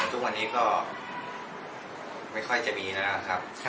ทุกวันนี้ก็ไม่ค่อยจะมีแล้วครับ